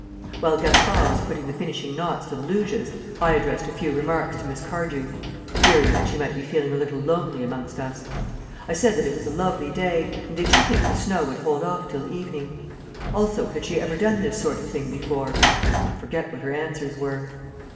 While Gaspard was putting the finishing knots to the luges, I addressed a few remarks to Miss Cardew, fearing that she might be feeling a little lonely amongst us. I said that it was a lovely day, and did she think the snow would hold off till evening? Also had she ever done this sort of thing before? I forget what her answers were.